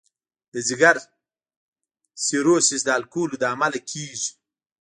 د ځګر سیروسس د الکولو له امله کېږي.